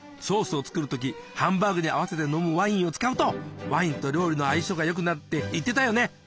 ソースを作る時ハンバーグに合わせて飲むワインを使うとワインと料理の相性が良くなるって言ってたよね。